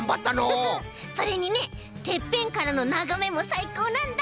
それにねてっぺんからのながめもさいこうなんだ！